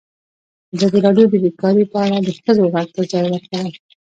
ازادي راډیو د بیکاري په اړه د ښځو غږ ته ځای ورکړی.